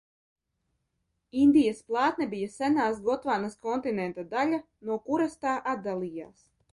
Indijas plātne bija senās Gotvānas kontinenta daļa, no kuras tā atdalījās.